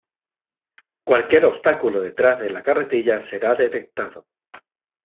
Cualquier obstáculo detrás de la carretilla será detectado.